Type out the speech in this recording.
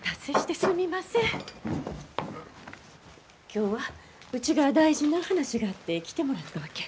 今日はうちが大事な話があって来てもらったわけ。